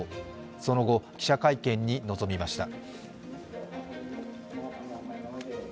その後、記者会見に臨みました。